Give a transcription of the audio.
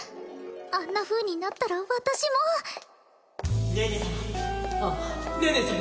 あんなふうになったら私も寧々様